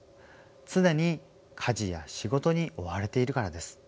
常に家事や仕事に追われているからです。